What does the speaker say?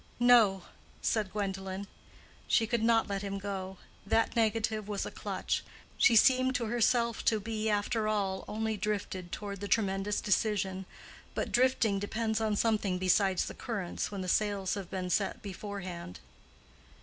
"No," said Gwendolen. She could not let him go: that negative was a clutch. She seemed to herself to be, after all, only drifted toward the tremendous decision—but drifting depends on something besides the currents when the sails have been set beforehand.